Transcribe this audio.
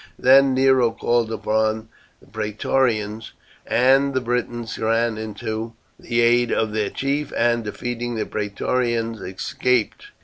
Then Nero called upon the Praetorians, and the Britons ran in to the aid of their chief, and, defeating the Praetorians, escaped.